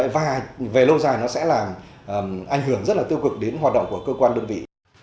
và về lâu dài nó sẽ làm ảnh hưởng rất là tiêu cực đến hoạt động của cơ quan đơn vị